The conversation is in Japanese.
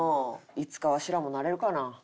いつかワシらもなれるかな？